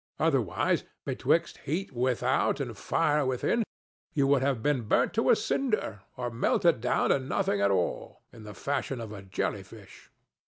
Otherwise, betwixt heat without and fire within, you would have been burnt to a cinder or melted down to nothing at all, in the fashion of a jelly fish.